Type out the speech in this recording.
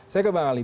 saya ke bang ali